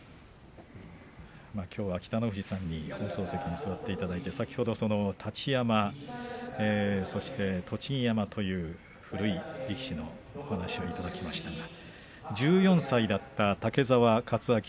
きょうは北の富士さんに放送席に座っていただいて先ほど、太刀山そして栃木山という古い力士のお話をいただきました。